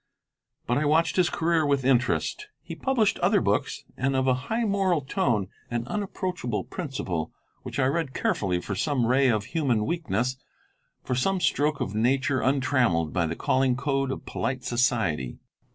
But I watched his career with interest. He published other books, of a high moral tone and unapproachable principle, which I read carefully for some ray of human weakness, for some stroke of nature untrammelled by the calling code of polite society.